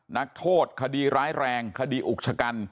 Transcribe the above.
นักโทษคดีร้ายแรงคดีอุกชะกัน